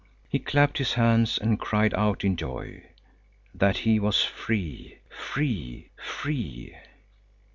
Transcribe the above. He clapped his hands and cried out in joy—that he was free, free, free!